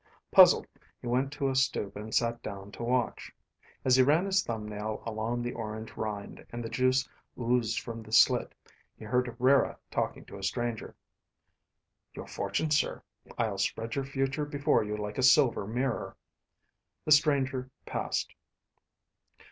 Puzzled, he went to a stoop and sat down to watch. As he ran his thumbnail along the orange rind, and juice oozed from the slit, he heard Rara talking to a stranger. "Your fortune, sir. I'll spread your future before you like a silver mirror ..." The stranger passed.